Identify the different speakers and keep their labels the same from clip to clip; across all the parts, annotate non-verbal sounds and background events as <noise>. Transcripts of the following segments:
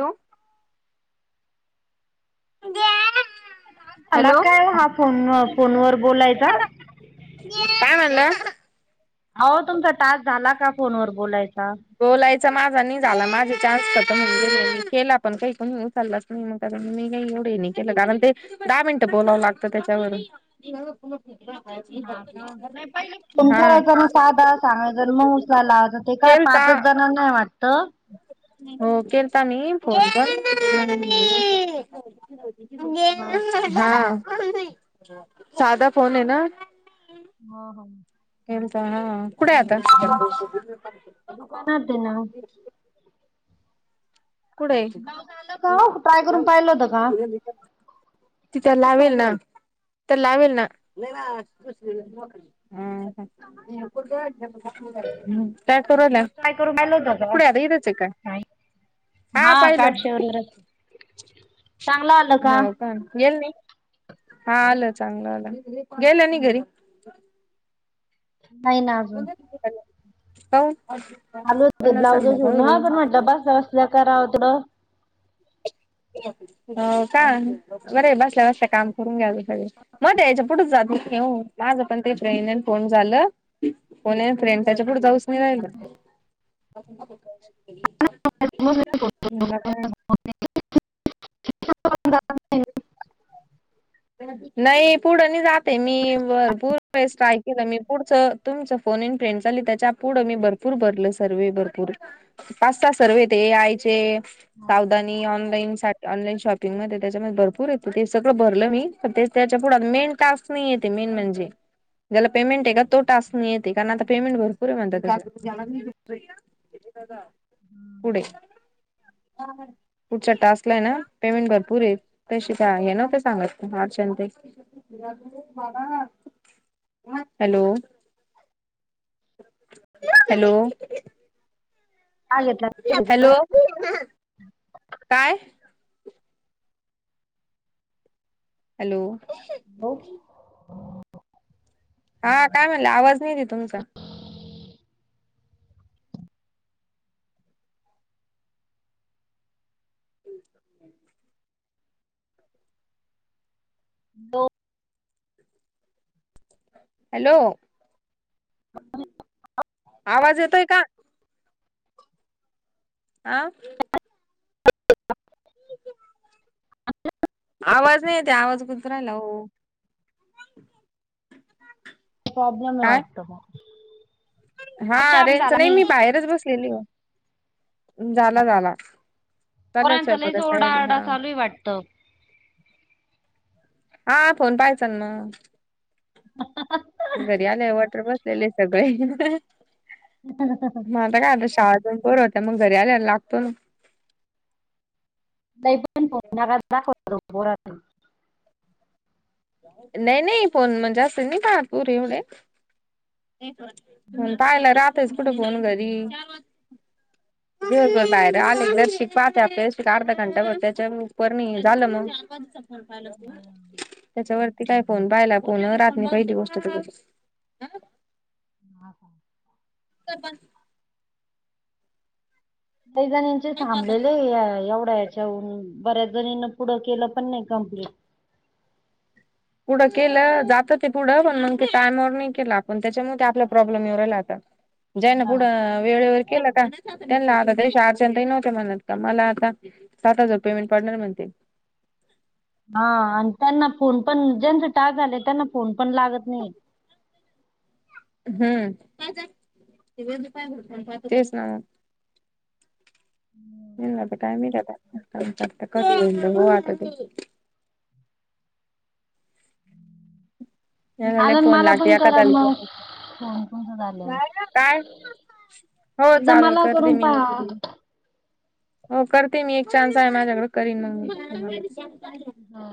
Speaker 1: Hello जा <unintelligible>
Speaker 2: मला काय हा फोन फोन वर बोलायचा.
Speaker 1: काय म्हणलं?
Speaker 2: आओ तुमचा टास्क झाला का, फोनवर बोलायचा?
Speaker 1: बोलायचा माझा नही झाला, माझे चान्स खतम होऊन गेले, मी केला पण काही कोणी उचलाच नही मग काग मी नहीं एवढं हे नही केलं, कारण ते दहा मिनटं बोलावं लागतं, त्याच्यावर.
Speaker 2: हा का? नहि पहिले <unintelligible>
Speaker 1: हा
Speaker 2: तुमकरायच ना साधा सांगायच <unintelligible> मस ला ला ते काय पा
Speaker 1: केलता
Speaker 2: ते <unintelligible> ना ना वाटत.
Speaker 1: हो केल्ता मी फोन पण, देना मम्मी.
Speaker 2: हो का
Speaker 1: हां, साधा फोन ये ना.
Speaker 2: हा हं.
Speaker 1: एन <unintelligible> तणा, कुडय आता?
Speaker 2: दुकानाते ना.
Speaker 1: ह् <inaudible> कुडय?
Speaker 2: ब्लाऊज आलं का हो ट्राय करून पाहिलं होतं का
Speaker 1: तिथ लावेल ना, <inaudible> तर लावेल ना. अ हं, ते कुठं? <inaudible> ह्म, काय करू रायल्या?
Speaker 2: ब्लाऊज ट्राय करून पाहिलं होतं का
Speaker 1: कुडय आता ईदचे ये का?
Speaker 2: नाही हा काठशेवरला, चांगला
Speaker 1: हो का, गेल नही, हा आलं चांगलं आलं, गेलं नही घरी?
Speaker 2: नही ना. अजून
Speaker 1: बोला तुम्ही त्यांना, <unintelligible>
Speaker 2: <unintelligible> लू हो, ब्लाऊज शीऊन ना, पण मटलं बसल्या-बसल्या कराव तिड.
Speaker 1: हो का, बरय बसल्या-बसल्या काम करुन घ्यायचं सगळ. मा त याच्या पुढ जातच नही ओ, माझ पण ते फ्रेंड फोन झालं. फोण अ फ्रेंड, त्याच्या पुुढ जाऊच नही राहिल.
Speaker 2: <inaudible>
Speaker 1: वीणा कारन नही पुढं नही जाते, मी भरपूर वेळेस ट्राय केलं, मी पुढच तुमच फोन इन फ्रेंड चालू, त्याच्या पुढं मी भरपूर भरल, सर्वे भरपूर. पाच सहा सर्वे ते, ए आय चे. सावधानी, ऑनलाईन साट -ऑनलाईन शॉपिंगमध्ये त्याच्यामध्ये भरपूर ये, ते सगळं भरलं मी. तेच त्याच्या पुढ मेन टास्क नही येते, मेन म्हणजे, ज्याला पेमेंट येना, तो टास्क नहीं येते, कारण आता पेमेंट भरपूर म्हणता त्या <inaudible> <unintelligible> पुढे बरोबरे, पुढच्या टास्कला ये ना, पेमेंट भरपूर ये, त्या शी त्या ह्या नव्हत्या सांगत <unintelligible> च्याते, <unintelligible> हॅलो? हॅलो?
Speaker 2: का घेतला
Speaker 1: हॅलो? काय? हॅलो?
Speaker 2: हो <unintelligible>
Speaker 1: हां काय म्हणल्या? आवाज नही येते तुमचा.
Speaker 2: हो <unintelligible>
Speaker 1: हॅलो? आवाज येतोय का? आ? आवाज नहीं येते, आवाज गु तु राहिला ओ, <inaudible>
Speaker 2: प्रॉब्लेम वाटतो मग.
Speaker 1: हा
Speaker 2: अच्छा
Speaker 1: रेनच
Speaker 2: झाला
Speaker 1: नाही मी बाहेरच बसलेली हो. झाला
Speaker 2: नाही
Speaker 1: झाला चाले
Speaker 2: पोरांचा
Speaker 1: स्वयपाक
Speaker 2: लयच
Speaker 1: तयारी
Speaker 2: ओरडाआरडा
Speaker 1: हा.
Speaker 2: चालू आहे वाटतं.
Speaker 1: हा फोन पाहाचा ना मग घरी आले वॉटर बस. असले सगळे म आता काय आता शाळजूनपर त त्या मग घरी आल्यायला लागतो ना.
Speaker 2: ताई बगान फोन मगाच दघवत होत पोरन.
Speaker 1: नाही नाही फोन म्हणजे असत नाही का पूर एवढे. म पाहिला राहातच कुठे फोन घरी.
Speaker 2: <inaudible>
Speaker 1: दिवर बाहेर आले जर शिक पाहते आपल्या अर्धा घंटा बर त्याच्या पणी झालं मग. <unintelligible> पाहिलं वरती काय फोन पाहायला फोन रातनी पहिली गोष्ट तु,
Speaker 2: हा का?
Speaker 1: कर बंद.
Speaker 2: काही जणांचे थांबलेले ए- एवढ्या. खेव बऱ्याच जणीन पुढं केलं पण नाही कंप्लीट.
Speaker 1: पुढं केलं जात ते पुढं पण मग ते टायमवर नाही केलं आपण त्याच्यामुळे ते आपला प्रॉब्लेम येऊ राहिला आता.
Speaker 2: <inaudible>
Speaker 1: जयना
Speaker 2: हा
Speaker 1: पुढं वेळेवर केलं का? त्यांना आता तेश अर्चंटही नव्हते म्हणत का मला आता सात हजव पेमेंट पडणार म्हणते.
Speaker 2: हा आणि त्यांना फोन पण ज्यांच टाग झाले त्यांना फोन पण लागत नाही.
Speaker 1: हम्म तेचना. येईल ना आता काय माहिती आता नवीन टास्क कधी येईल बघू आता. याला लई
Speaker 2: चालन
Speaker 1: फोन
Speaker 2: मला पण
Speaker 1: लागते
Speaker 2: करा मग फोन तुमचं झाल्यावर
Speaker 1: <unintelligible> काय हो
Speaker 2: एकदा
Speaker 1: चालेल
Speaker 2: मला
Speaker 1: करते
Speaker 2: करून
Speaker 1: मी नक्की
Speaker 2: पहा
Speaker 1: तुला. हो करते मी एक चान्स आहे माझ्याकडे करीन मग मी.
Speaker 2: हा.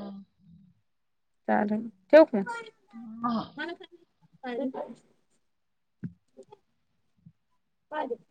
Speaker 1: चालेल ठेवू का?
Speaker 2: हा.
Speaker 1: <unintelligible>